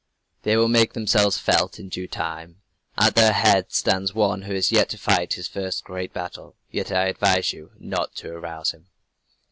"They will make themselves felt in due time. At their head stands one who is yet to fight his first great battle yet I advise you not to arouse him!"